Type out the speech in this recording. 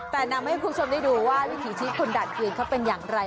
แต่นำให้คุณผู้ชมได้ดูว่าวิธีชิ้นคนดันเกลียนเขาเป็นอย่างไร